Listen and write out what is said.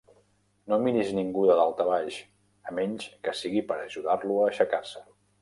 No miris ningú de dalt a baix, a menys que sigui per ajudar-lo a aixecar-se.